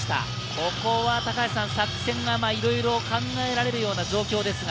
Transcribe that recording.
ここは作戦がいろいろ考えられるような状況ですね。